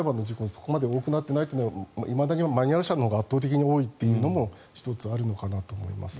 そこまで多くなっていないというのはいまだにマニュアル車のほうが圧倒的に多いというのも１つあるのかなと思いますね。